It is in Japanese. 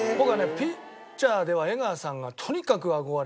ピッチャーでは江川さんがとにかく憧れの人で。